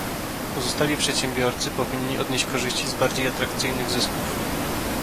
Pozostali przedsiębiorcy powinni odnieść korzyści z bardziej atrakcyjnych zysków